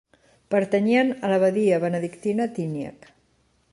Pertanyien a l'Abadia benedictina Tyniec.